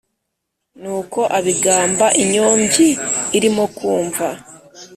Nuko abigamba inyombyi irimo kumva.